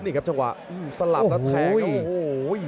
นี่ครับจังหวะสลับแล้วแทงโอ้โห